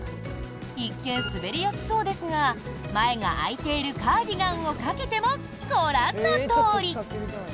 一見、滑りやすそうですが前が開いているカーディガンをかけてもご覧のとおり。